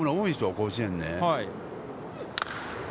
甲子園ね。